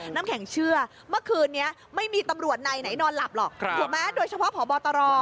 น้ำแข็งเชื่อเมื่อคืนนี้ไม่มีตำรวจในไหนนอนหลับหรอกถูกไหมโดยเฉพาะพบตร